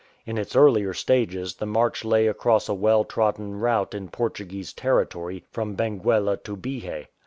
In its earlier stages the march lay along a well trodden route in Portuguese ten itory, from Benguela to Bihe.